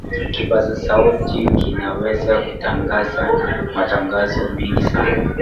kipaza sauti kinaweza kutangaza matangazo mengi sana